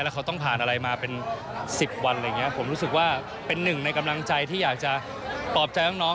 และเขาต้องผ่านอะไรมาเป็น๑๐วันผมรู้สึกว่าเป็นหนึ่งในกำลังใจที่อยากจะปลอบใจน้อง